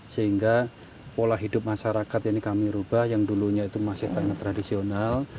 sehingga pola hidup masyarakat ini kami rubah yang dulunya itu masih sangat tradisional